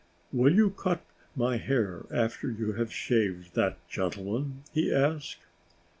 "Will you cut my hair after you have shaved that gentleman?" he asked.